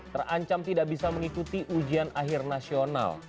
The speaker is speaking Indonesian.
terancam tidak bisa mengikuti ujian akhir nasional